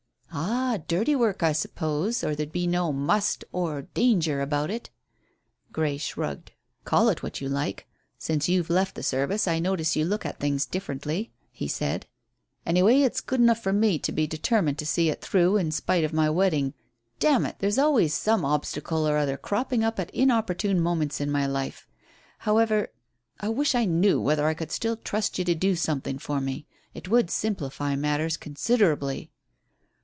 "Ah, dirty work, I suppose, or there'd be no 'must' or 'danger' about it." Grey shrugged. "Call it what you like. Since you've left the service I notice you look at things differently," he said. "Anyway, it's good enough for me to be determined to see it through in spite of my wedding. Damn it, there's always some obstacle or other cropping up at inopportune moments in my life. However I wish I knew whether I could still trust you to do something for me. It would simplify matters considerably."